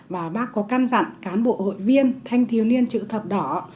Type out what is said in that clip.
và bác có can dặn cán bộ hội viên thanh thiếu niên chữ thập đỏ